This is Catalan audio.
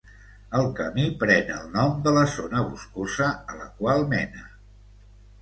El camí pren el nom de la zona boscosa a la qual mena.